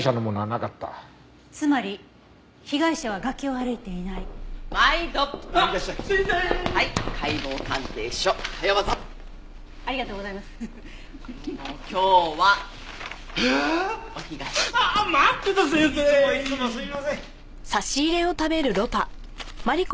いつもいつもすいません。